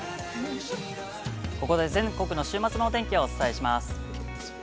◆ここで全国の週末のお天気をお伝えします。